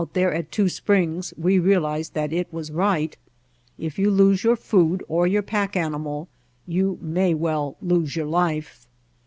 Out there at Two Springs we realized that it was right. If you lose your food or your pack animal you may well lose your life.